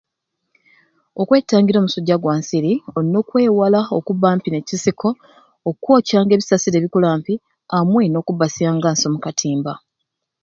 Okwetangira omusujja gwa nsiri oyina okwewala okuba ampi ne kisiko okwocanga ebisasiro ebikuli ampi amwei nokubasyanga omu katimba